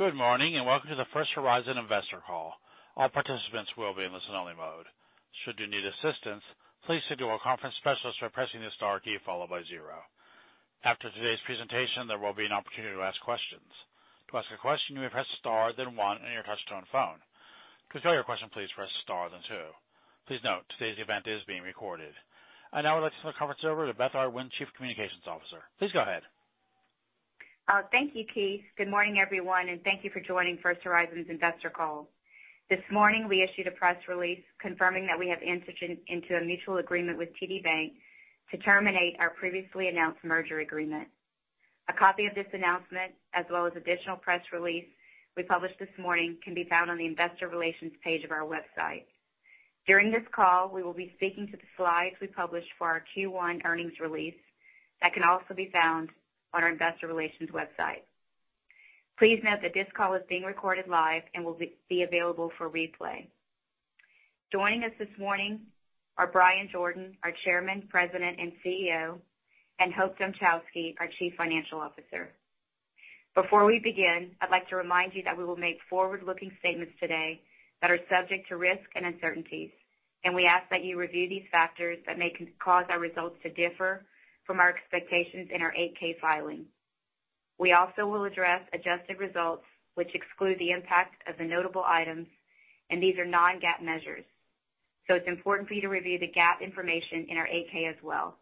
Good morning, welcome to the First Horizon investor call. All participants will be in listen only mode. Should you need assistance, please signal our conference specialist by pressing the star key followed by zero. After today's presentation, there will be an opportunity to ask questions. To ask a question, you may press star then one on your touch-tone phone. To withdraw your question, please press star then two. Please note, today's event is being recorded. I now would like to turn the conference over to Beth Ardoin, Chief Communications Officer. Please go ahead. Thank you, Keith. Good morning, everyone, thank you for joining First Horizon's Investor Call. This morning we issued a press release confirming that we have entered into a mutual agreement with TD Bank to terminate our previously announced merger agreement. A copy of this announcement, as well as additional press release we published this morning, can be found on the investor relations page of our website. During this call, we will be speaking to the slides we published for our Q1 earnings release. That can also be found on our investor relations website. Please note that this call is being recorded live and will be available for replay. Joining us this morning are Bryan Jordan, our Chairman, President, and CEO, and Hope Dmuchowski, our Chief Financial Officer. Before we begin, I'd like to remind you that we will make forward-looking statements today that are subject to risk and uncertainties. We ask that you review these factors that may cause our results to differ from our expectations in our 8-K filing. We also will address adjusted results, which exclude the impact of the notable items. These are non-GAAP measures. It's important for you to review the GAAP information in our 8-K as well.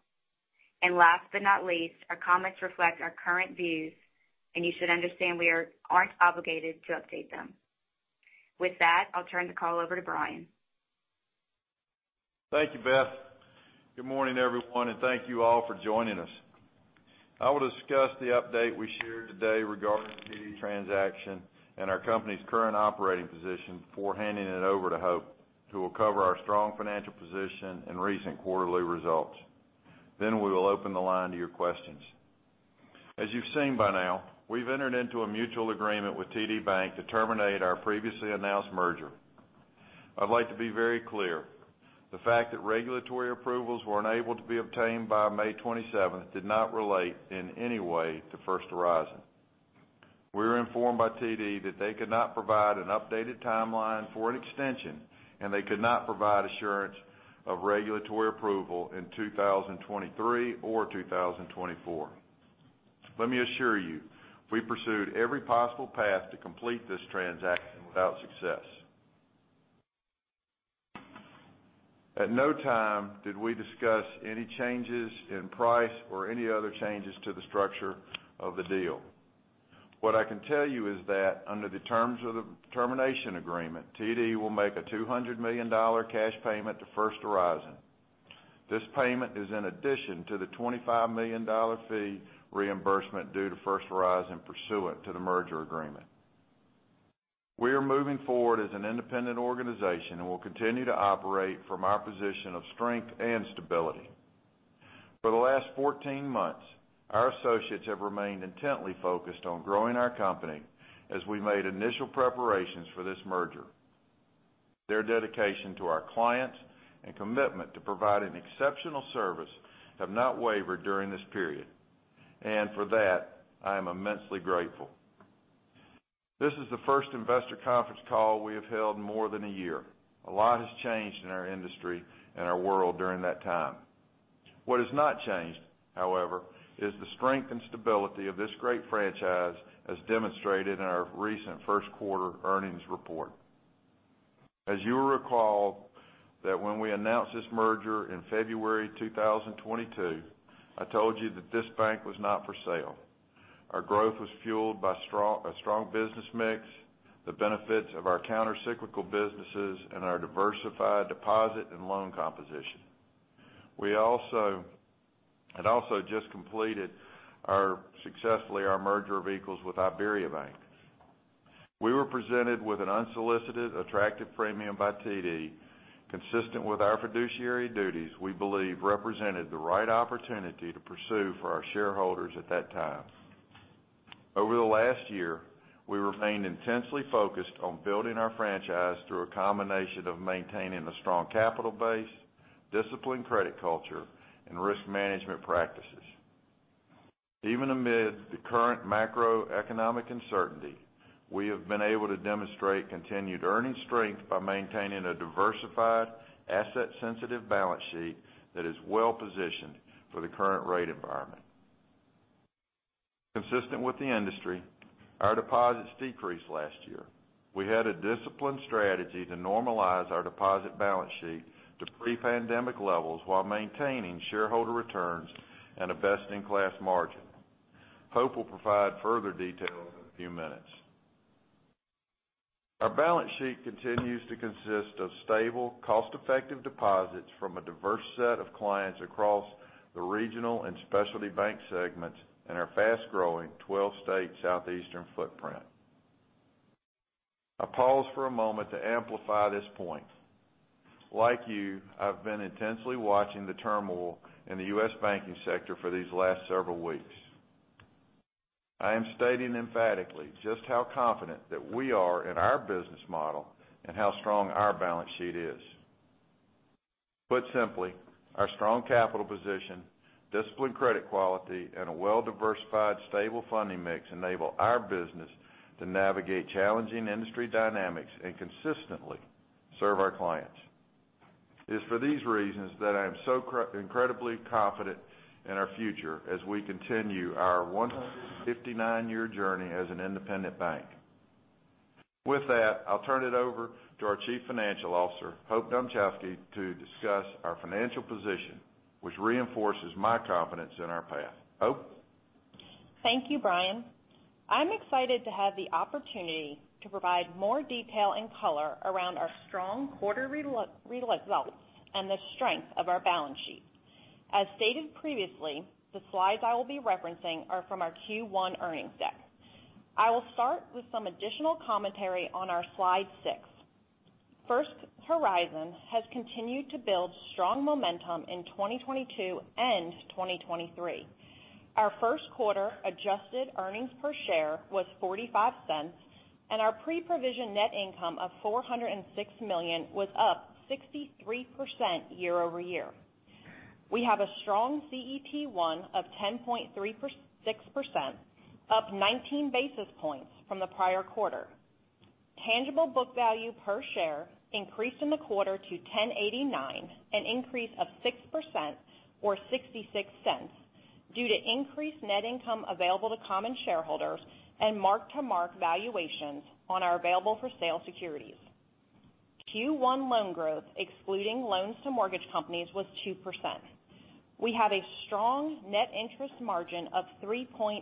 Last but not least, our comments reflect our current views. You should understand we aren't obligated to update them. With that, I'll turn the call over to Bryan. Thank you, Beth. Good morning, everyone, and thank you all for joining us. I will discuss the update we shared today regarding the transaction and our company's current operating position before handing it over to Hope, who will cover our strong financial position and recent quarterly results. We will open the line to your questions. As you've seen by now, we've entered into a mutual agreement with TD Bank to terminate our previously announced merger. I'd like to be very clear. The fact that regulatory approvals were unable to be obtained by May 27th did not relate in any way to First Horizon. We were informed by TD that they could not provide an updated timeline for an extension, and they could not provide assurance of regulatory approval in 2023 or 2024. Let me assure you, we pursued every possible path to complete this transaction without success. At no time did we discuss any changes in price or any other changes to the structure of the deal. What I can tell you is that under the terms of the termination agreement, TD will make a $200 million cash payment to First Horizon. This payment is in addition to the $25 million fee reimbursement due to First Horizon pursuant to the merger agreement. We are moving forward as an independent organization and will continue to operate from our position of strength and stability. For the last 14 months, our associates have remained intently focused on growing our company as we made initial preparations for this merger. Their dedication to our clients and commitment to providing exceptional service have not wavered during this period, and for that, I am immensely grateful. This is the first investor conference call we have held in more than a year. A lot has changed in our industry and our world during that time. What has not changed, however, is the strength and stability of this great franchise, as demonstrated in our recent first quarter earnings report. As you will recall that when we announced this merger in February 2022, I told you that this bank was not for sale. Our growth was fueled by a strong business mix, the benefits of our countercyclical businesses, and our diversified deposit and loan composition. We had also just completed our, successfully, our merger of equals with IBERIABANK. We were presented with an unsolicited, attractive premium by TD. Consistent with our fiduciary duties, we believe represented the right opportunity to pursue for our shareholders at that time. Over the last year, we remained intensely focused on building our franchise through a combination of maintaining a strong capital base, disciplined credit culture, and risk management practices. Even amid the current macroeconomic uncertainty, we have been able to demonstrate continued earnings strength by maintaining a diversified, asset-sensitive balance sheet that is well-positioned for the current rate environment. Consistent with the industry, our deposits decreased last year. We had a disciplined strategy to normalize our deposit balance sheet to pre-pandemic levels while maintaining shareholder returns and a best-in-class margin. Hope will provide further details in a few minutes. Our balance sheet continues to consist of stable, cost-effective deposits from a diverse set of clients across the regional and specialty bank segments and our fast-growing 12-state southeastern footprint. I pause for a moment to amplify this point. Like you, I've been intensely watching the turmoil in the U.S. banking sector for these last several weeks. I am stating emphatically just how confident that we are in our business model and how strong our balance sheet is. Put simply, our strong capital position, disciplined credit quality, and a well-diversified, stable funding mix enable our business to navigate challenging industry dynamics and consistently serve our clients. It is for these reasons that I am so incredibly confident in our future as we continue our 159-year journey as an independent bank. With that, I'll turn it over to our Chief Financial Officer, Hope Dmuchowski, to discuss our financial position, which reinforces my confidence in our path. Hope? Thank you, Bryan. I'm excited to have the opportunity to provide more detail and color around our strong quarter re-results and the strength of our balance sheet. As stated previously, the slides I will be referencing are from our Q1 earnings deck. I will start with some additional commentary on our Slide 6. First Horizon has continued to build strong momentum in 2022 and 2023. Our first quarter adjusted earnings per share was $0.45 and our Pre-Provision Net Income of $406 million was up 63% year-over-year. We have a strong CET1 of 10.3 per-6%, up 19 basis points from the prior quarter. Tangible Book Value Per Share increased in the quarter to $10.89, an increase of 6% or $0.66 due to increased net income available to common shareholders and mark-to-mark valuations on our available for sale securities. Q1 loan growth, excluding loans to mortgage companies, was 2%. We have a strong Net Interest Margin of 3.87%,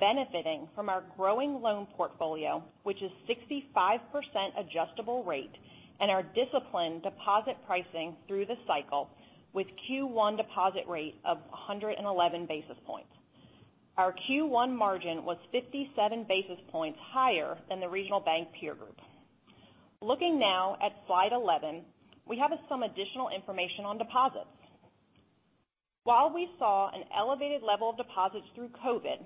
benefiting from our growing loan portfolio, which is 65% adjustable rate, and our disciplined deposit pricing through the cycle with Q1 deposit rate of 111 basis points. Our Q1 margin was 57 basis points higher than the regional bank peer group. Looking now at Slide 11, we have some additional information on deposits. While we saw an elevated level of deposits through COVID,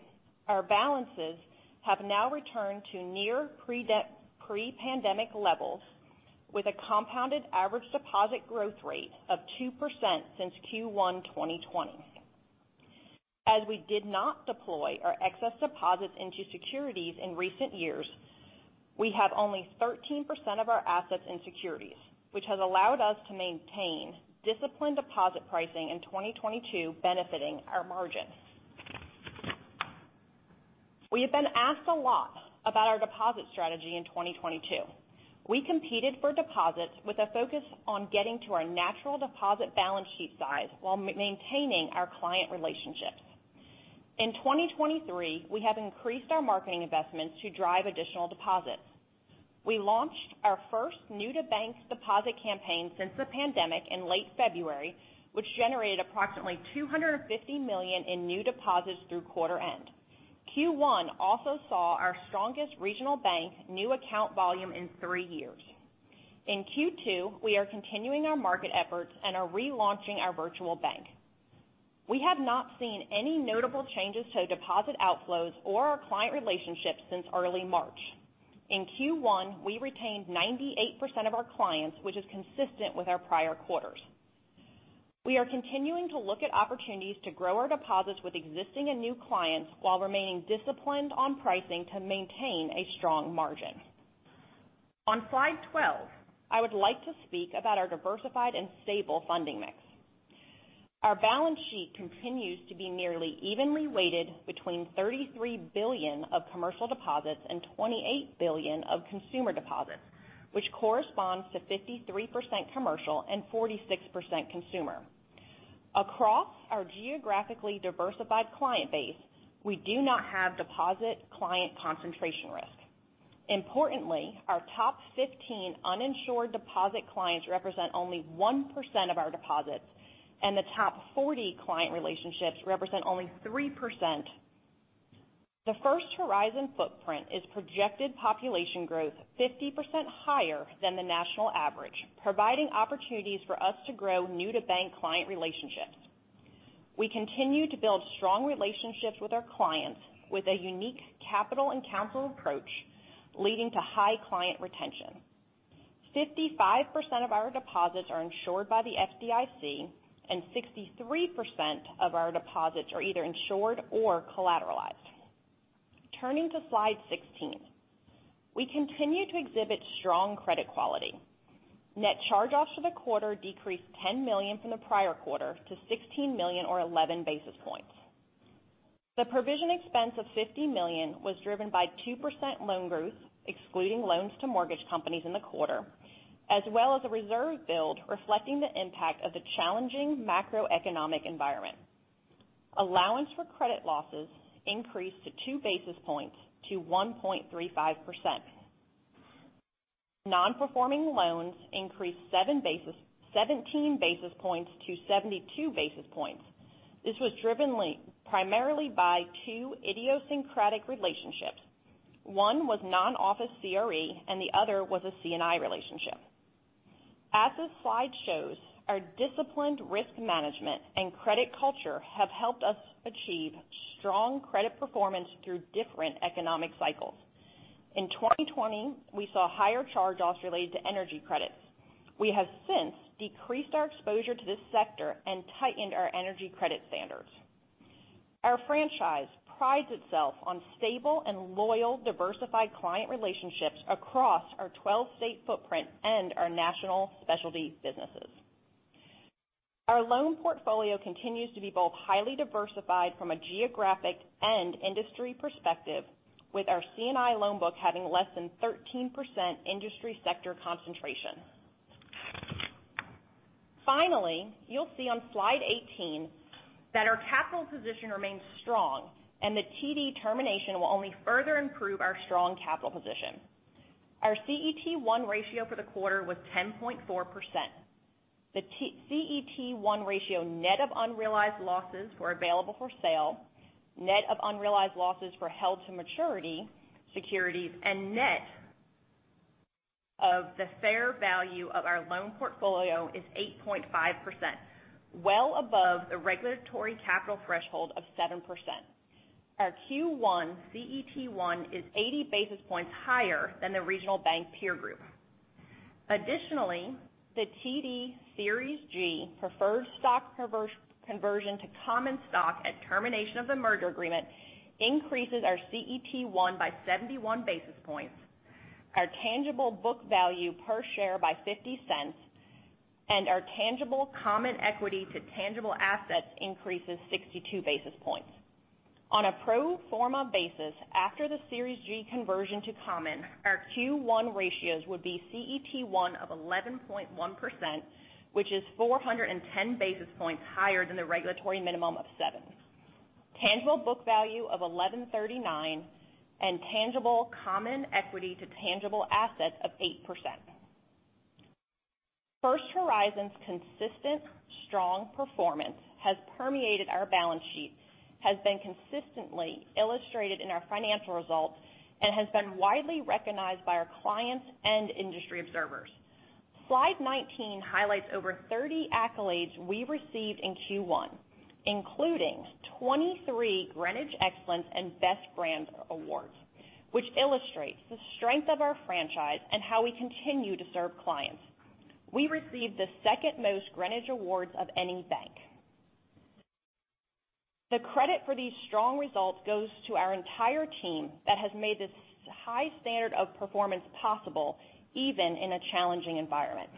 our balances have now returned to near pre-pandemic levels with a compounded average deposit growth rate of 2% since Q1 2020. As we did not deploy our excess deposits into securities in recent years, we have only 13% of our assets in securities, which has allowed us to maintain disciplined deposit pricing in 2022 benefiting our margins. We have been asked a lot about our deposit strategy in 2022. We competed for deposits with a focus on getting to our natural deposit balance sheet size while maintaining our client relationships. In 2023, we have increased our marketing investments to drive additional deposits. We launched our first new to bank deposit campaign since the pandemic in late February, which generated approximately $250 million in new deposits through quarter end. Q1 also saw our strongest regional bank new account volume in three years. In Q2, we are continuing our market efforts and are relaunching our VirtualBank. We have not seen any notable changes to deposit outflows or our client relationships since early March. In Q1, we retained 98% of our clients, which is consistent with our prior quarters. We are continuing to look at opportunities to grow our deposits with existing and new clients while remaining disciplined on pricing to maintain a strong margin. On Slide 12, I would like to speak about our diversified and stable funding mix. Our balance sheet continues to be nearly evenly weighted between $33 billion of commercial deposits and $28 billion of consumer deposits, which corresponds to 53% commercial and 46% consumer. Across our geographically diversified client base, we do not have deposit client concentration risk. Importantly, our top 15 uninsured deposit clients represent only 1% of our deposits, and the top 40 client relationships represent only 3%. The First Horizon footprint is projected population growth 50% higher than the national average, providing opportunities for us to grow new to bank client relationships. We continue to build strong relationships with our clients with a unique capital and counsel approach, leading to high client retention. 55% of our deposits are insured by the FDIC, and 63% of our deposits are either insured or collateralized. Turning to Slide 16. We continue to exhibit strong credit quality. Net charge-offs for the quarter decreased $10 million from the prior quarter to $16 million or 11 basis points. The provision expense of $50 million was driven by 2% loan growth, excluding loans to mortgage companies in the quarter, as well as a reserve build reflecting the impact of the challenging macroeconomic environment. Allowance for credit losses increased to 2 basis points to 1.35%. Non-performing loans increased 17 basis points-72 basis points. This was drivenly primarily by two idiosyncratic relationships. One was non-office CRE and the other was a C&I relationship. As this slide shows, our disciplined risk management and credit culture have helped us achieve strong credit performance through different economic cycles. In 2020, we saw higher charge-offs related to energy credits. We have since decreased our exposure to this sector and tightened our energy credit standards. Our franchise prides itself on stable and loyal diversified client relationships across our 12-state footprint and our national specialty businesses. Our loan portfolio continues to be both highly diversified from a geographic and industry perspective, with our C&I loan book having less than 13% industry sector concentration. Finally, you'll see on Slide 18 that our capital position remains strong and the TD termination will only further improve our strong capital position. Our CET1 ratio for the quarter was 10.4%. The T-CET1 ratio net of unrealized losses were Available for sale, net of unrealized losses for Held to maturity, securities and net of the fair value of our loan portfolio is 8.5%, well above the regulatory capital threshold of 7%. At Q1, CET1 is 80 basis points higher than the regional bank peer group. Additionally, the TD Series G Preferred Stock conversion to common stock at termination of the merger agreement increases our CET1 by 71 basis points, our tangible book value per share by $0.50, and our tangible common equity to tangible assets increases 62 basis points. On a pro forma basis after the Series G conversion to common, our Q1 ratios would be CET1 of 11.1%, which is 410 basis points higher than the regulatory minimum of 7%. Tangible book value of $11.39, and tangible common equity to tangible assets of 8%. First Horizon's consistent strong performance has permeated our balance sheet, has been consistently illustrated in our financial results, and has been widely recognized by our clients and industry observers. Slide 19 highlights over 30 accolades we received in Q1, including 23 Greenwich Excellence and Best Brand Awards, which illustrates the strength of our franchise and how we continue to serve clients. We received the second most Greenwich awards of any bank. The credit for these strong results goes to our entire team that has made this high standard of performance possible even in a challenging environment.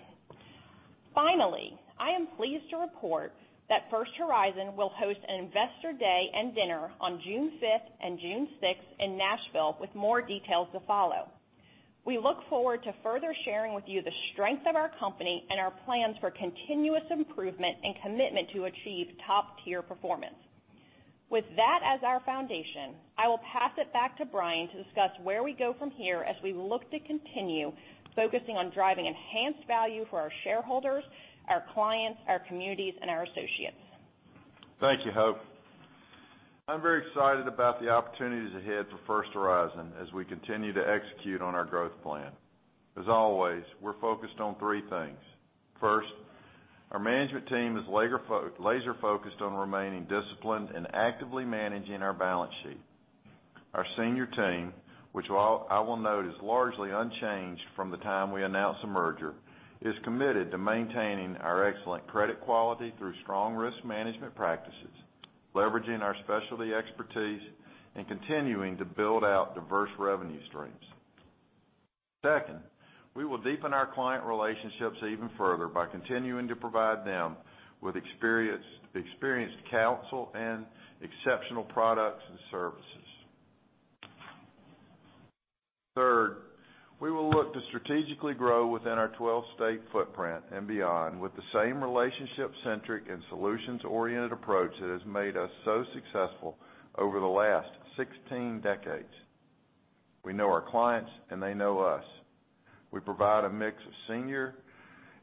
Finally, I am pleased to report that First Horizon will host an investor day and dinner on June 5th and June 6th in Nashville with more details to follow. We look forward to further sharing with you the strength of our company and our plans for continuous improvement and commitment to achieve top-tier performance. With that as our foundation, I will pass it back to Bryan to discuss where we go from here as we look to continue focusing on driving enhanced value for our shareholders, our clients, our communities and our associates. Thank you, Hope. I'm very excited about the opportunities ahead for First Horizon as we continue to execute on our growth plan. As always, we're focused on three things. First, our management team is laser-focused on remaining disciplined and actively managing our balance sheet. Our senior team, which I will note is largely unchanged from the time we announced the merger, is committed to maintaining our excellent credit quality through strong risk management practices, leveraging our specialty expertise, and continuing to build out diverse revenue streams. Second, we will deepen our client relationships even further by continuing to provide them with experienced counsel and exceptional products and services. Third, we will look to strategically grow within our 12-state footprint and beyond with the same relationship-centric and solutions-oriented approach that has made us so successful over the last 16 decades. We know our clients and they know us. We provide a mix of senior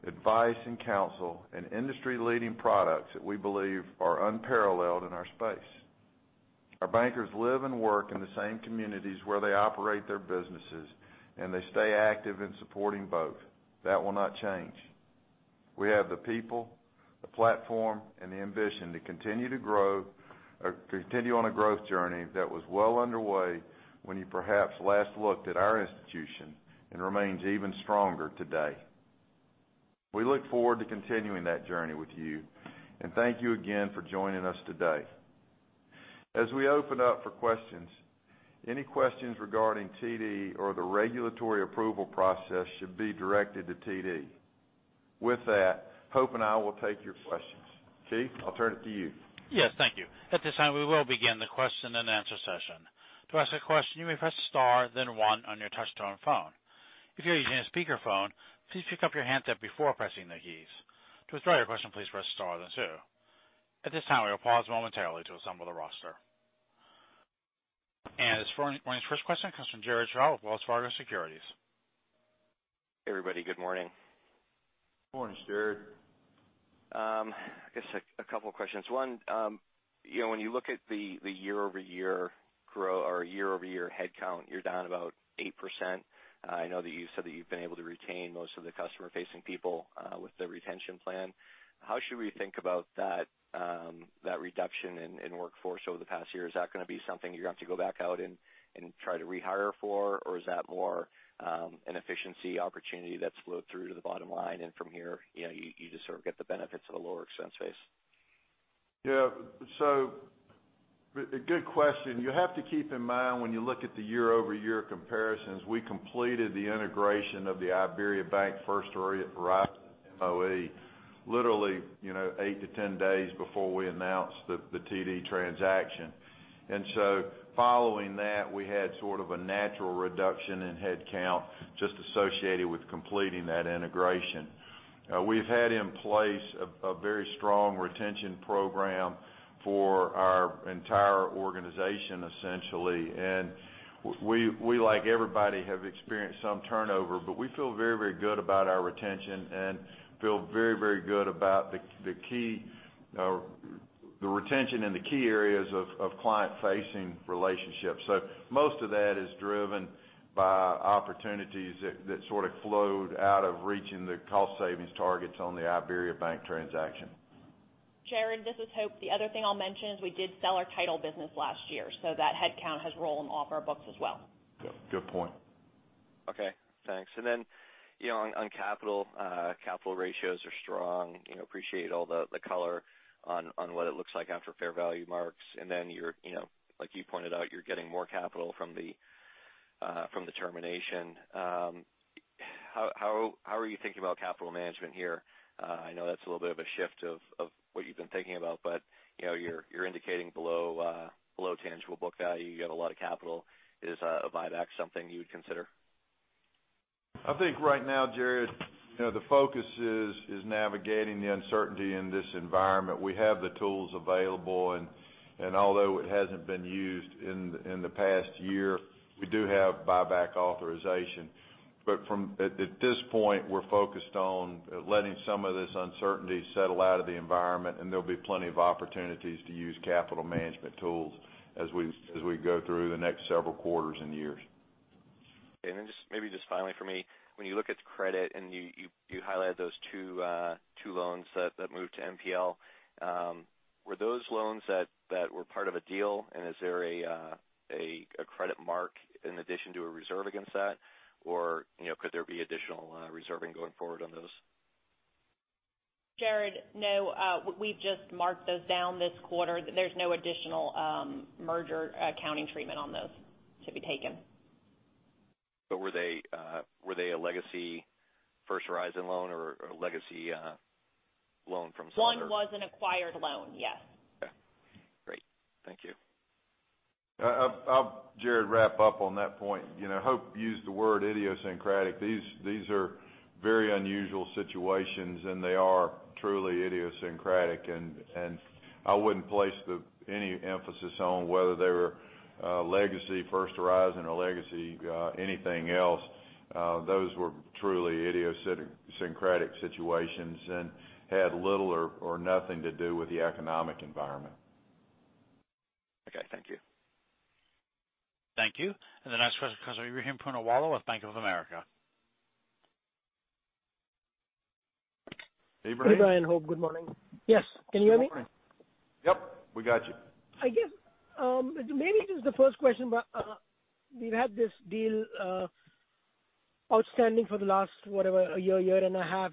advice and counsel and industry-leading products that we believe are unparalleled in our space. Our bankers live and work in the same communities where they operate their businesses, and they stay active in supporting both. That will not change. We have the people, the platform, and the ambition to continue to grow or continue on a growth journey that was well underway when you perhaps last looked at our institution and remains even stronger today. We look forward to continuing that journey with you, and thank you again for joining us today. As we open up for questions, any questions regarding TD or the regulatory approval process should be directed to TD. With that, Hope and I will take your questions. Keith, I'll turn it to you. Yes, thank you. At this time, we will begin the question and answer session. To ask a question, you may press star then one on your touchtone phone. If you're using a speakerphone, please pick up your handset before pressing the keys. To withdraw your question, please press star then two. At this time, we will pause momentarily to assemble the roster. This morning's first question comes from Jared Shaw of Wells Fargo Securities. Everybody, good morning. Morning, Jared. I guess, like, a couple of questions. One, you know, when you look at the year-over-year grow or year-over-year head count, you're down about 8%. I know that you said that you've been able to retain most of the customer-facing people with the retention plan. How should we think about that reduction in workforce over the past year? Is that gonna be something you're gonna have to go back out and try to rehire for? Or is that more an efficiency opportunity that's flowed through to the bottom line, and from here, you know, you just sort of get the benefits of the lower expense base? Yeah. A good question. You have to keep in mind when you look at the year-over-year comparisons, we completed the integration of the IBERIABANK First Horizon MOE, literally, you know, 8-10 days before we announced the TD transaction. Following that, we had sort of a natural reduction in head count just associated with completing that integration. We've had in place a very strong retention program for our entire organization, essentially. We, like everybody, have experienced some turnover, but we feel very, very good about our retention and feel very, very good about the key or the retention in the key areas of client-facing relationships. Most of that is driven by opportunities that sort of flowed out of reaching the cost savings targets on the IBERIABANK transaction. Jared, this is Hope. The other thing I'll mention is we did sell our title business last year, so that head count has rolled them off our books as well. Yeah, good point. Okay. Thanks. You know, on capital ratios are strong. You know, appreciate all the color on what it looks like after fair value marks. You're, you know, like you pointed out, you're getting more capital from the termination. How are you thinking about capital management here? I know that's a little bit of a shift of what you've been thinking about, but, you know, you're indicating below tangible book value. You got a lot of capital. Is a buyback something you would consider? I think right now, Jared, you know, the focus is navigating the uncertainty in this environment. We have the tools available, and although it hasn't been used in the past year, we do have buyback authorization. At this point, we're focused on letting some of this uncertainty settle out of the environment, and there'll be plenty of opportunities to use capital management tools as we go through the next several quarters and years. Then just, maybe just finally for me, when you look at credit and you highlighted those two loans that moved to NPL, were those loans that were part of a deal? Is there a credit mark in addition to a reserve against that? Or, you know, could there be additional reserving going forward on those? Jared, no, we just marked those down this quarter. There's no additional merger accounting treatment on those to be taken. Were they a legacy First Horizon loan or legacy loan from Southern? One was an acquired loan, yes. Okay. Great. Thank you. I'll, Jared, wrap up on that point. You know, Hope used the word idiosyncratic. These are very unusual situations, and they are truly idiosyncratic. I wouldn't place any emphasis on whether they were legacy First Horizon or legacy anything else. Those were truly idiosyncratic situations and had little or nothing to do with the economic environment. Okay. Thank you. Thank you. The next question comes from Ebrahim Poonawala with Bank of America. Hey, Ebrahim. Hey, Bryan, Hope. Good morning. Yes. Can you hear me? Yep, we got you. I guess, maybe just the first question, but we've had this deal outstanding for the last, whatever, a year and a half.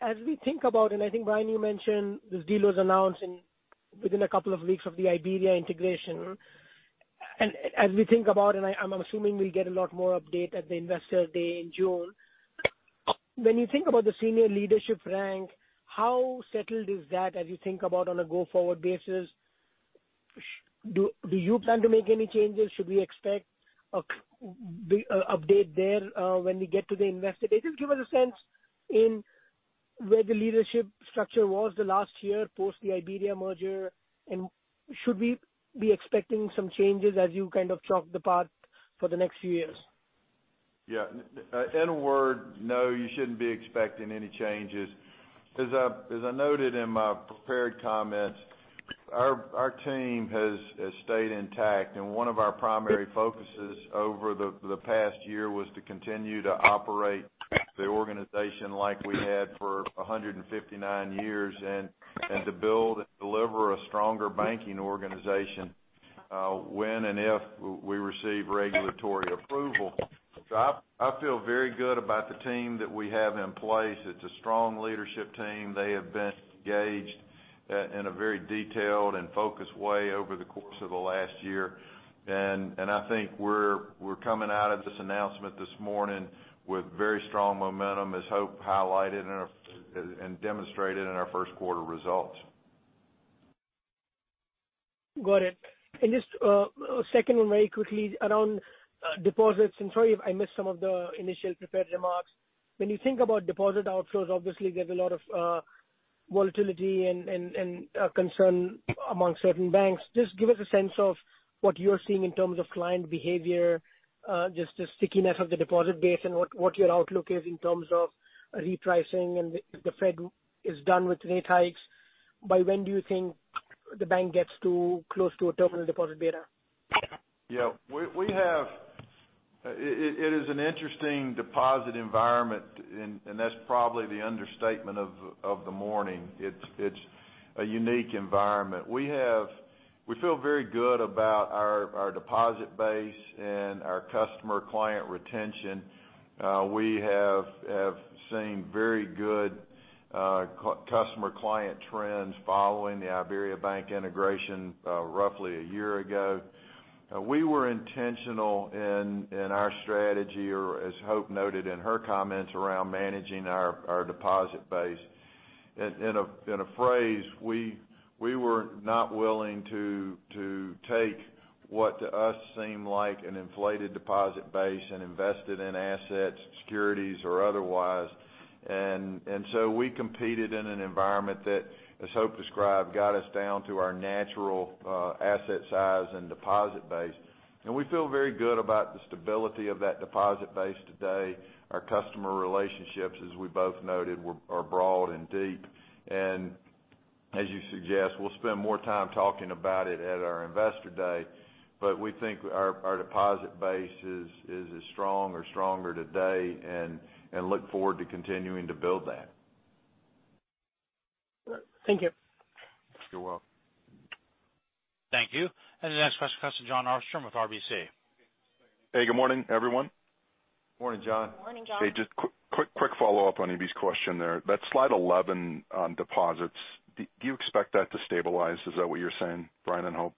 As we think about, I think, Bryan, you mentioned this deal was announced in within a couple of weeks of the IBERIABANK integration. As we think about I'm assuming we'll get a lot more update at the Investor Day in June. When you think about the senior leadership rank, how settled is that as you think about on a go-forward basis? Do you plan to make any changes? Should we expect an update there when we get to the Investor Day? Just give us a sense in where the leadership structure was the last year post the IBERIABANK merger, and should we be expecting some changes as you kind of chalk the path for the next few years? Yeah. In a word, no, you shouldn't be expecting any changes. As I noted in my prepared comments, our team has stayed intact, and one of our primary focuses over the past year was to continue to operate the organization like we had for 159 years and to build and deliver a stronger banking organization when and if we receive regulatory approval. I feel very good about the team that we have in place. It's a strong leadership team. They have been engaged in a very detailed and focused way over the course of the last year. I think we're coming out of this announcement this morning with very strong momentum, as Hope highlighted in our, and demonstrated in our first quarter results. Got it. Just second one very quickly around deposits. Sorry if I missed some of the initial prepared remarks. When you think about deposit outflows, obviously there's a lot of volatility and concern among certain banks. Just give us a sense of what you're seeing in terms of client behavior, just the stickiness of the deposit base and what your outlook is in terms of repricing and if the Fed is done with rate hikes. By when do you think the bank gets too close to a terminal deposit beta. It is an interesting deposit environment and that's probably the understatement of the morning. It's a unique environment. We feel very good about our deposit base and our customer client retention. We have seen very good customer client trends following the IBERIABANK Bank integration roughly a year ago. We were intentional in our strategy, or as Hope noted in her comments around managing our deposit base. In a phrase, we were not willing to take what to us seemed like an inflated deposit base and invest it in assets, securities or otherwise. So we competed in an environment that, as Hope described, got us down to our natural asset size and deposit base. We feel very good about the stability of that deposit base today. Our customer relationships, as we both noted, were, are broad and deep. As you suggest, we'll spend more time talking about it at our investor day. We think our deposit base is as strong or stronger today and look forward to continuing to build that. Thank you. You're welcome. Thank you. The next question comes to Jon Arfstrom with RBC. Hey, good morning, everyone. Morning, Jon. Morning, Jon. Hey, just quick follow-up on E.B.'s question there. That Slide 11, deposits, do you expect that to stabilize? Is that what you're saying, Bryan and Hope?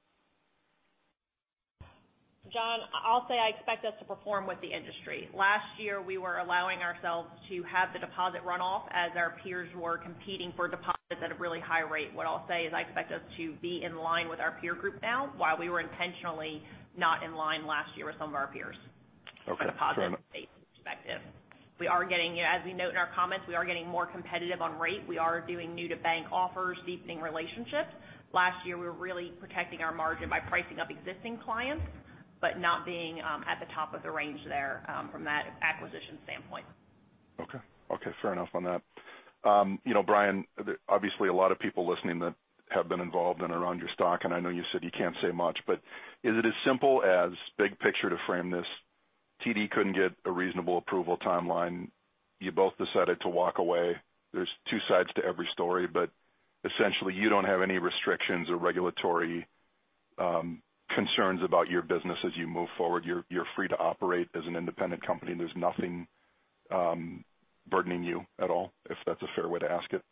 Jon, I'll say I expect us to perform with the industry. Last year, we were allowing ourselves to have the deposit runoff as our peers were competing for deposits at a really high rate. What I'll say is I expect us to be in line with our peer group now, while we were intentionally not in line last year with some of our peers. Okay. Fair enough. from a positive perspective. We are getting, as we note in our comments, we are getting more competitive on rate. We are doing new to bank offers, deepening relationships. Last year, we were really protecting our margin by pricing up existing clients, but not being at the top of the range there from that acquisition standpoint. Okay. Okay, fair enough on that. You know, Bryan, obviously a lot of people listening that have been involved in around your stock, and I know you said you can't say much, but is it as simple as big picture to frame this: TD couldn't get a reasonable approval timeline, you both decided to walk away, there's two sides to every story, but essentially you don't have any restrictions or regulatory concerns about your business as you move forward, you're free to operate as an independent company, and there's nothing burdening you at all, if that's a fair way to ask it?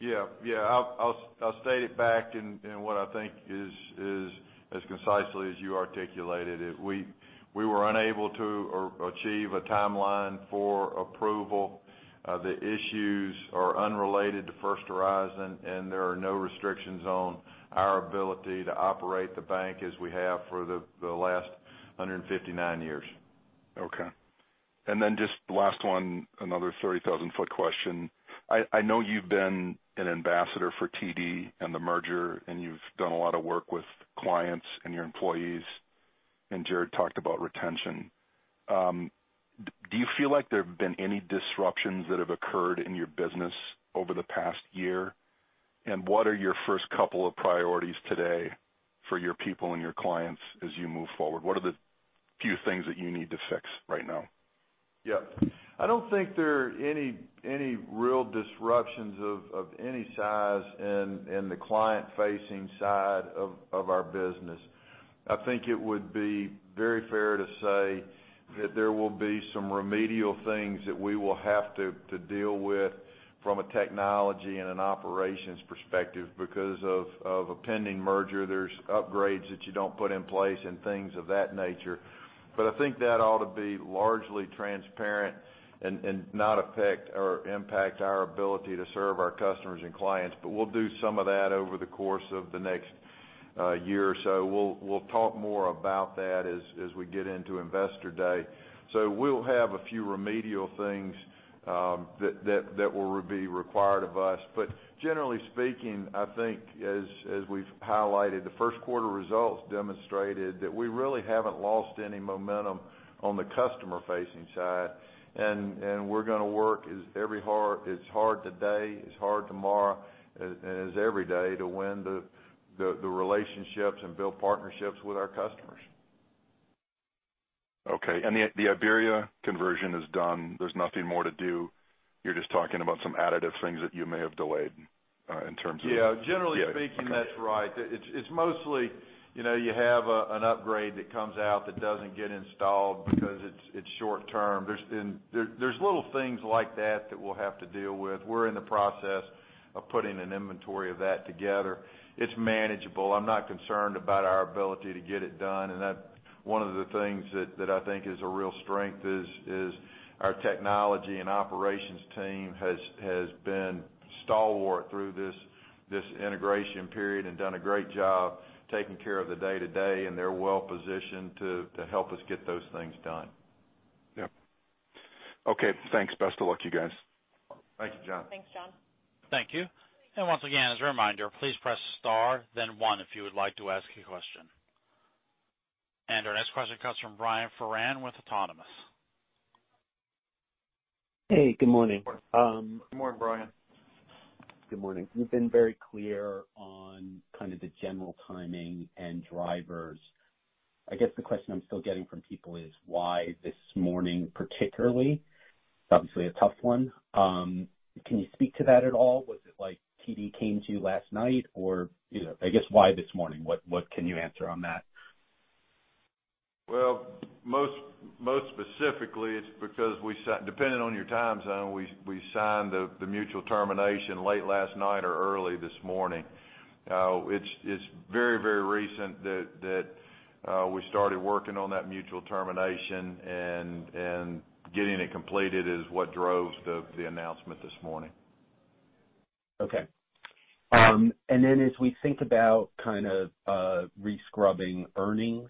Yeah. I'll state it back in what I think is as concisely as you articulated it. We were unable to or achieve a timeline for approval. The issues are unrelated to First Horizon, and there are no restrictions on our ability to operate the bank as we have for the last 159 years. Okay. Then just last one, another 30,000 foot question. I know you've been an ambassador for TD and the merger, you've done a lot of work with clients and your employees, Jared talked about retention. Do you feel like there have been any disruptions that have occurred in your business over the past year? What are your first couple of priorities today for your people and your clients as you move forward? What are the few things that you need to fix right now? Yeah. I don't think there are any real disruptions of any size in the client-facing side of our business. I think it would be very fair to say that there will be some remedial things that we will have to deal with from a technology and an operations perspective because of a pending merger. There's upgrades that you don't put in place and things of that nature. I think that ought to be largely transparent and not affect or impact our ability to serve our customers and clients. We'll do some of that over the course of the next year or so. We'll talk more about that as we get into Investor Day. We'll have a few remedial things that will be required of us. Generally speaking, I think as we've highlighted, the first quarter results demonstrated that we really haven't lost any momentum on the customer-facing side. We're gonna work as every hard, as hard today, as hard tomorrow, as every day to win the relationships and build partnerships with our customers. Okay. The IBERIABANK conversion is done. There's nothing more to do. You're just talking about some additive things that you may have delayed, in terms of. Yeah. Generally speaking, that's right. It's, it's mostly, you know, you have a, an upgrade that comes out that doesn't get installed because it's short term. There's little things like that that we'll have to deal with. We're in the process of putting an inventory of that together. It's manageable. I'm not concerned about our ability to get it done. That one of the things that I think is a real strength is our technology and operations team has been stalwart through this integration period and done a great job taking care of the day-to-day, and they're well positioned to help us get those things done. Yep. Okay, thanks. Best of luck to you guys. Thank you, Jon. Thanks, Jon. Thank you. Once again, as a reminder, please press star, then one if you would like to ask a question. Our next question comes from Brian Foran with Autonomous. Hey, good morning. Good morning, Brian. Good morning. You've been very clear on kind of the general timing and drivers. I guess the question I'm still getting from people is why this morning, particularly? Obviously a tough one. Can you speak to that at all? Was it like TD came to you last night or, you know, I guess why this morning? What can you answer on that? Well, most specifically, it's because we signed the mutual termination late last night or early this morning. It's very, very recent that we started working on that mutual termination and getting it completed is what drove the announcement this morning. Okay. As we think about kind of rescrubbing earnings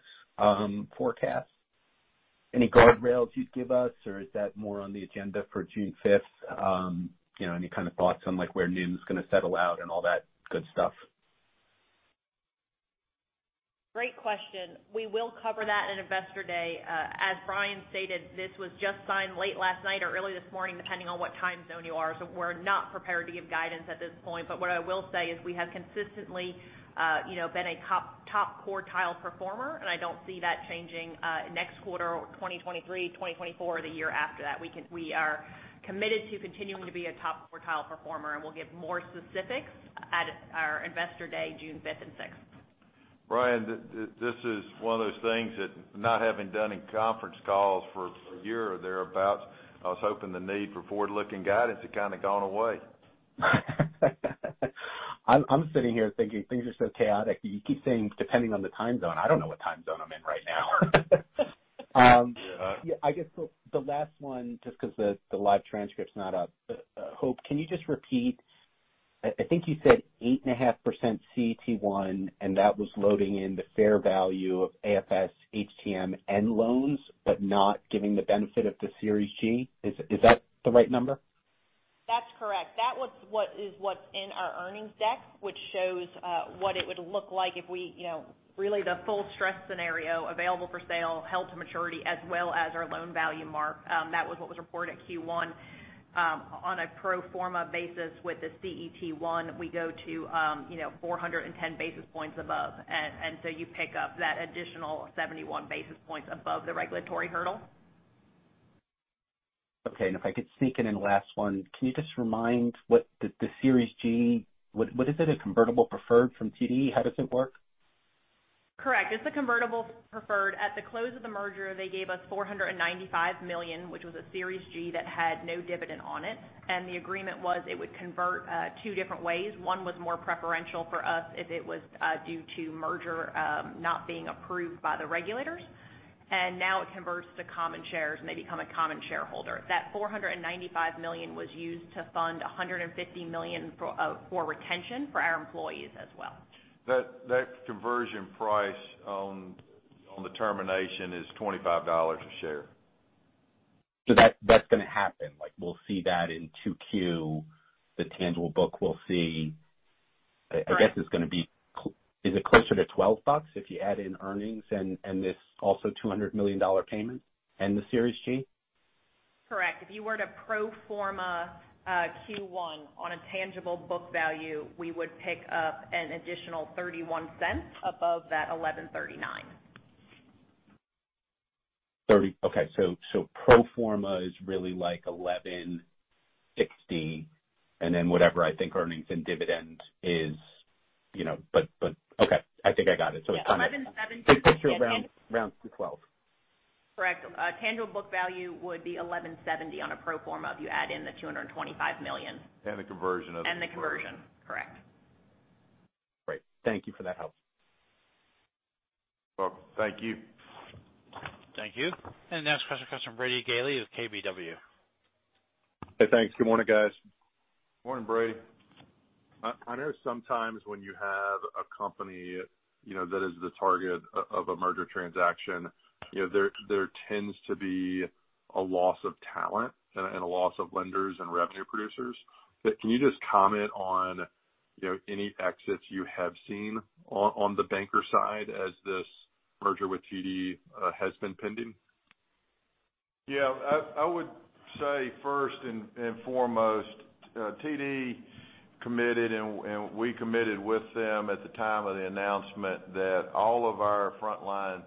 forecast, any guardrails you'd give us, or is that more on the agenda for June 5th? You know, any kind of thoughts on like where NIM's gonna settle out and all that good stuff? Great question. We will cover that in Investor Day. As Bryan stated, this was just signed late last night or early this morning, depending on what time zone you are. We're not prepared to give guidance at this point. What I will say is we have consistently, you know, been a top quartile performer, and I don't see that changing next quarter or 2023, 2024, or the year after that. We are committed to continuing to be a top quartile performer, and we'll give more specifics at our Investor Day, June 5th and 6th. Brian, this is one of those things that not having done in conference calls for a year or thereabout, I was hoping the need for forward-looking guidance had kind of gone away. I'm sitting here thinking things are so chaotic. You keep saying, depending on the time zone. I don't know what time zone I'm in right now. Yeah. I guess the last one, just because the live transcript's not up. Hope, can you just repeat, I think you said 8.5% CET1, and that was loading in the fair value of AFS, HTM, and loans, but not giving the benefit of the Series G. Is that the right number? That's correct. That was what's in our earnings deck, which shows what it would look like if we, you know, really the full stress scenario Available for sale, Held to maturity, as well as our loan value mark. That was what was reported at Q1 on a pro forma basis with the CET1, we go to, you know, 410 basis points above. You pick up that additional 71 basis points above the regulatory hurdle. Okay. If I could sneak in an last one. Can you just remind what the Series G, what is it, a convertible preferred from TD? How does it work? Correct. It's a convertible preferred. At the close of the merger, they gave us $495 million, which was a Series G that had no dividend on it. The agreement was it would convert two different ways. One was more preferential for us if it was due to merger not being approved by the regulators. Now it converts to common shares, and they become a common shareholder. That $495 million was used to fund $150 million for for retention for our employees as well. That conversion price on the termination is $25 a share. That's gonna happen. Like, we'll see that in 2Q, the Tangible Book we'll see. Right. Is it closer to $12 bucks if you add in earnings and this also $200 million payment and the Series G? Correct. If you were to pro forma, Q1 on a tangible book value, we would pick up an additional $0.31 above that $11.39. 30. Okay. Pro forma is really like $1,160. Then whatever I think earnings and dividends is, you know, but okay, I think I got it. It's. $11.70. Big picture round to 12. Correct. Tangible Book Value would be $11.70 on a pro forma, if you add in the $225 million. the conversion of. The conversion. Correct. Great. Thank you for that help. Welcome. Thank you. Thank you. Next question comes from Brady Gailey of KBW. Hey, thanks. Good morning, guys. Morning, Brady. I know sometimes when you have a company, you know, that is the target of a merger transaction, you know, there tends to be a loss of talent and a loss of lenders and revenue producers. Can you just comment on, you know, any exits you have seen on the banker side as this merger with TD has been pending? Yeah. I would say first and foremost, TD committed, and we committed with them at the time of the announcement that all of our frontline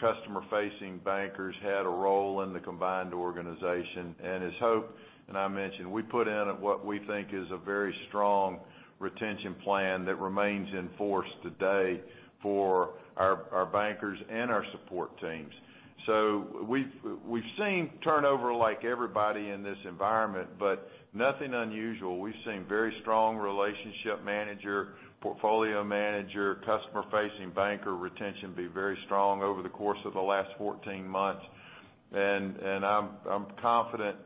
customer-facing bankers had a role in the combined organization. As Hope and I mentioned, we put in what we think is a very strong retention plan that remains in force today for our bankers and our support teams. We've seen turnover like everybody in this environment, but nothing unusual. We've seen very strong relationship manager, portfolio manager, customer-facing banker retention be very strong over the course of the last 14 months. I'm confident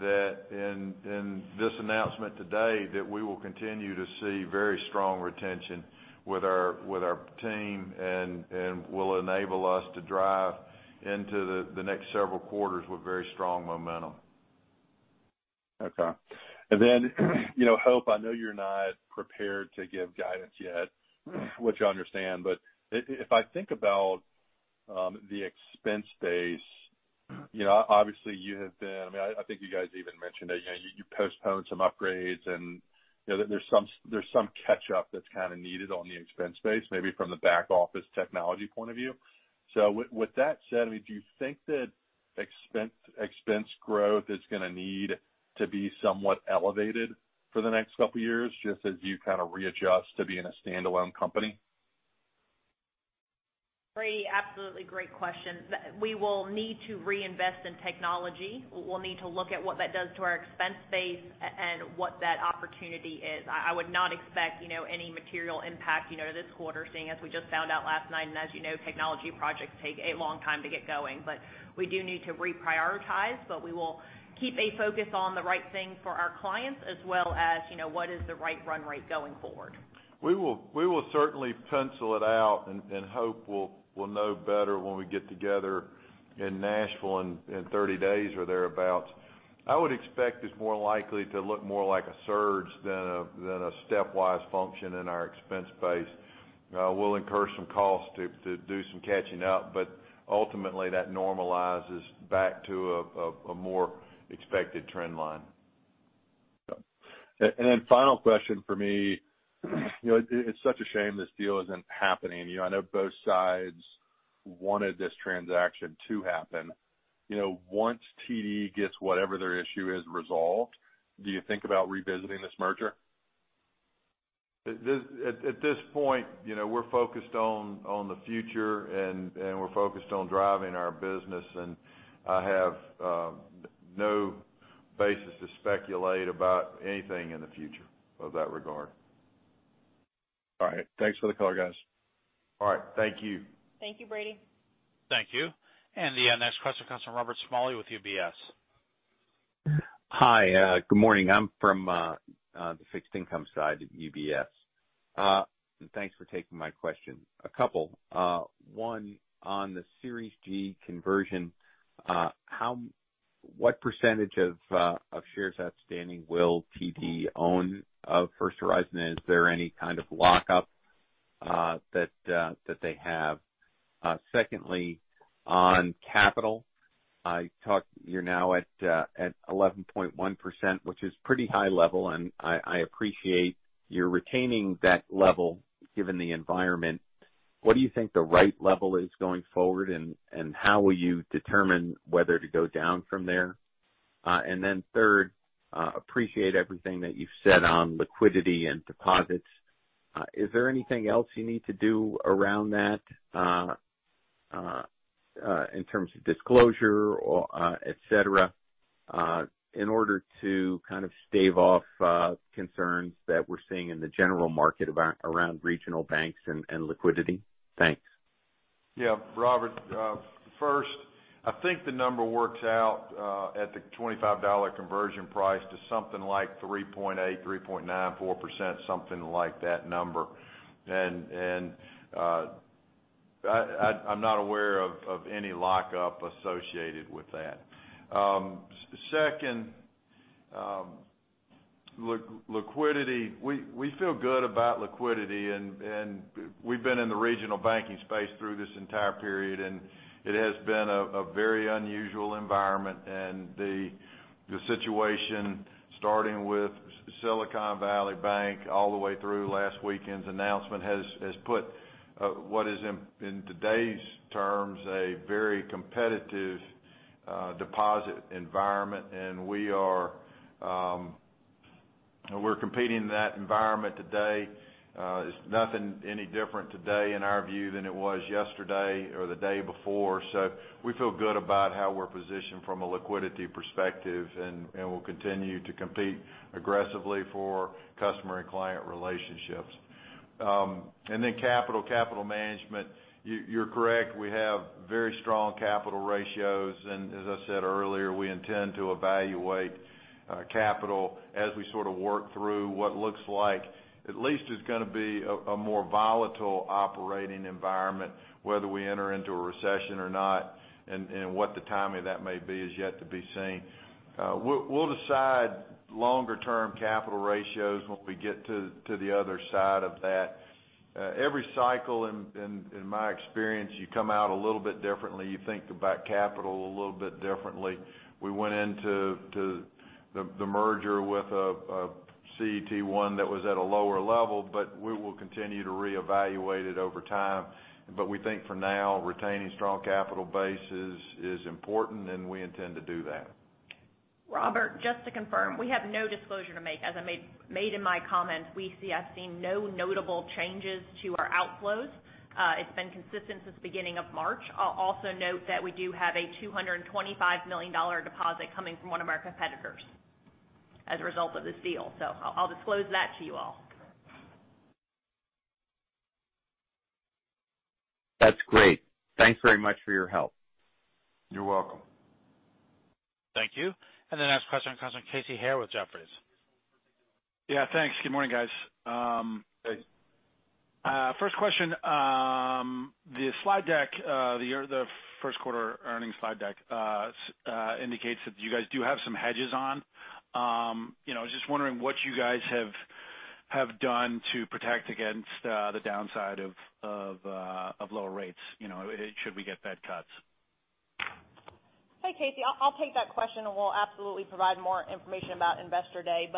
that in this announcement today that we will continue to see very strong retention with our team and will enable us to drive into the next several quarters with very strong momentum. Okay. You know, Hope, I know you're not prepared to give guidance yet, which I understand. If, if I think about the expense base, you know, obviously, I mean, I think you guys even mentioned it, you know, you postponed some upgrades and, you know, there's some, there's some catch up that's kind of needed on the expense base, maybe from the back office technology point of view. With that said, I mean, do you think that expense growth is gonna need to be somewhat elevated for the next couple years, just as you kind of readjust to being a standalone company? Brady, absolutely great question. We will need to reinvest in technology. We'll need to look at what that does to our expense base and what that opportunity is. I would not expect, you know, any material impact, you know, this quarter, seeing as we just found out last night. As you know, technology projects take a long time to get going. We do need to reprioritize, but we will keep a focus on the right thing for our clients as well as, you know, what is the right run rate going forward. We will certainly pencil it out and hope we'll know better when we get together in Nashville in 30 days or thereabout. I would expect it's more likely to look more like a surge than a stepwise function in our expense base. We'll incur some costs to do some catching up, but ultimately that normalizes back to a more expected trend line. Final question for me. You know, it's such a shame this deal isn't happening. You know, I know both sides wanted this transaction to happen. You know, once TD gets whatever their issue is resolved, do you think about revisiting this merger? At this point, you know, we're focused on the future and we're focused on driving our business. I have no basis to speculate about anything in the future of that regard. All right. Thanks for the color, guys. All right. Thank you. Thank you, Brady. Thank you. The next question comes from Gerard Cassidy with UBS. Hi. Good morning. I'm from the fixed income side of UBS. Thanks for taking my question. A couple. One, on the Series G conversion, what percentage of shares outstanding will TD own of First Horizon? Is there any kind of lockup that they have? Secondly, on capital, I talked, you're now at 11.1%, which is pretty high level, and I appreciate your retaining that level given the environment. What do you think the right level is going forward, and how will you determine whether to go down from there? Third, appreciate everything that you've said on liquidity and deposits. Is there anything else you need to do around that, in terms of disclosure or, et cetera, in order to kind of stave off, concerns that we're seeing in the general market around regional banks and liquidity? Thanks. Yeah, Gerard. First, I think the number works out at the $25 conversion price to something like 3.8%, 3.9%, 4%, something like that number. I'm not aware of any lockup associated with that. Second, liquidity, we feel good about liquidity and we've been in the regional banking space through this entire period, and it has been a very unusual environment. The situation starting with Silicon Valley Bank all the way through last weekend's announcement has put what is in today's terms, a very competitive deposit environment. We are, we're competing in that environment today. It's nothing any different today in our view than it was yesterday or the day before. We feel good about how we're positioned from a liquidity perspective, and we'll continue to compete aggressively for customer and client relationships. Then capital management. You're correct, we have very strong capital ratios. As I said earlier, we intend to evaluate capital as we sort of work through what looks like at least is gonna be a more volatile operating environment, whether we enter into a recession or not, and what the timing of that may be is yet to be seen. We'll decide longer term capital ratios when we get to the other side of that. Every cycle in my experience, you come out a little bit differently. You think about capital a little bit differently. We went into the merger with a CET1 that was at a lower level. We will continue to reevaluate it over time. We think for now, retaining strong capital base is important, and we intend to do that. Gerard, just to confirm, we have no disclosure to make. As I made in my comments, we have seen no notable changes to our outflows. It's been consistent since beginning of March. I'll also note that we do have a $225 million deposit coming from one of our competitors as a result of this deal. I'll disclose that to you all. That's great. Thanks very much for your help. You're welcome. Thank you. The next question comes from Casey Haire with Jefferies. Yeah, thanks. Good morning, guys. Hey. First question. The slide deck, the first quarter earnings slide deck, indicates that you guys do have some hedges on. You know, I was just wondering what you guys have. Have done to protect against, the downside of lower rates, you know, should we get Fed cuts? Hey, Casey, I'll take that question, and we'll absolutely provide more information about Investor Day.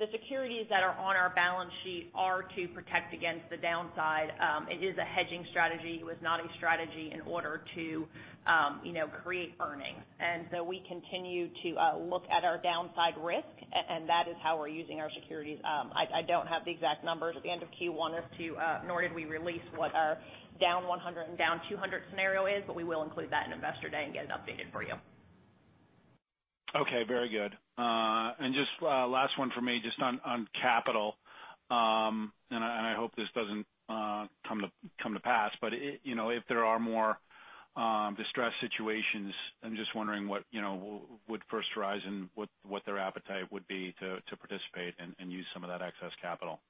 The securities that are on our balance sheet are to protect against the downside. It is a hedging strategy. It was not a strategy in order to, you know, create earnings. We continue to look at our downside risk, and that is how we're using our securities. I don't have the exact numbers at the end of Q1 as to, nor did we release what a down 100 and down 200 scenario is. We will include that in Investor Day and get it updated for you. Okay, very good. Just a last one for me just on capital. I hope this doesn't come to pass, but, you know, if there are more distressed situations, I'm just wondering what, you know, would First Horizon, what their appetite would be to participate and use some of that excess capital?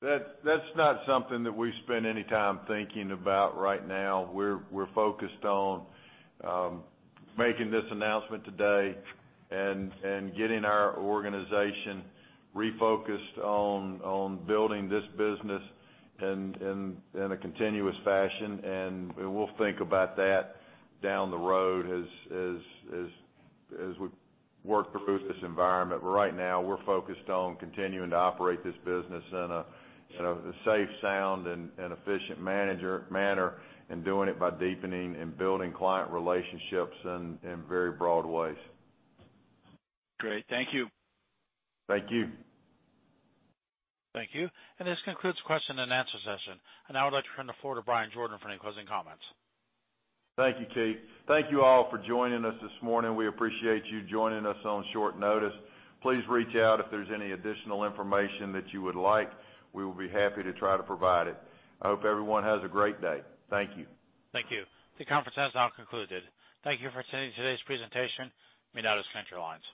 That's not something that we spend any time thinking about right now. We're focused on making this announcement today and getting our organization refocused on building this business in a continuous fashion. We'll think about that down the road as we work through this environment. Right now, we're focused on continuing to operate this business in a safe, sound, and efficient manner, and doing it by deepening and building client relationships in very broad ways. Great. Thank you. Thank you. Thank you. This concludes the question and answer session. I now would like to turn the floor to Bryan Jordan for any closing comments. Thank you, Keith. Thank you all for joining us this morning. We appreciate you joining us on short notice. Please reach out if there's any additional information that you would like. We will be happy to try to provide it. I hope everyone has a great day. Thank you. Thank you. The conference has now concluded. Thank you for attending today's presentation. You may now disconnect your lines.